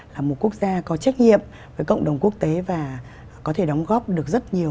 là một quốc gia có trách nhiệm với cộng đồng quốc tế và có thể đóng góp được rất nhiều